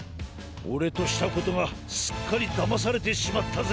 オレとしたことがすっかりだまされてしまったぜ。